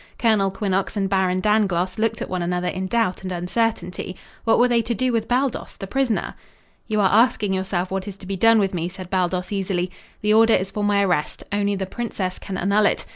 Colonel Quinnox and Baron Dangloss looked at one another in doubt and uncertainty. What were they to do with Baldos, the prisoner? "You are asking yourself what is to be done with me," said Baldos easily. "The order is for my arrest. Only the princess can annul it.